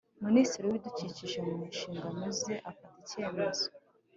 Minisitiri w Ibidukikije Mu Nshingano Ze Afata Icyemezo